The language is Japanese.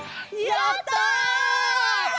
やった！